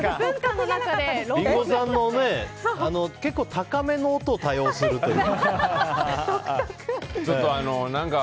リンゴさん、結構高めの音を多用するというか。